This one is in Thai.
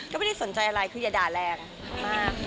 ก็ไม่ได้สนใจอะไรคืออย่าด่าแรงมาก